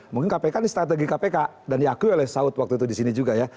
mungkin kpk ini strategi kpk dan diakui oleh saud waktu itu di sini juga ya